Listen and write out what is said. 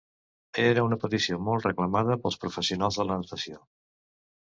Era una petició molt reclamada pels professionals de la natació.